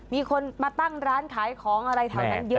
มีคนมาตั้งร้านขายของอะไรแถวนั้นเยอะ